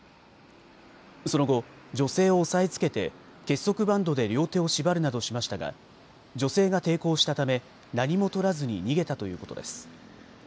その後、女性を押さえつけて結束バンドで両手を縛るなどしましたが女性が抵抗したため何もとらずに逃げたということです。